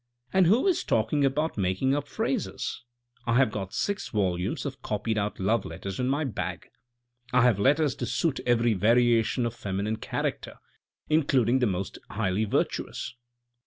" And who is talking about making up phrases ? I have got six volumes of copied out love letters in my bag. I have letters to suit every variation of feminine character, includ 406 THE RED AND THE BLACK ing the most highly virtuous.